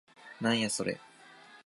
カメの速度に感謝の日。